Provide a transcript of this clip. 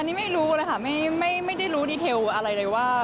อันนี้ไม่รู้เลยค่ะไม่ได้รู้ดีเทลอะไรเลยว่า